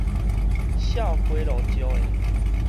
數街路石的